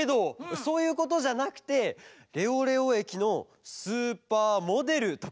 そういうことじゃなくて「レオレオえきのスーパーモデル」とかさ。